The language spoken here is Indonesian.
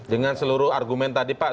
dengan seluruh argumen tadi pak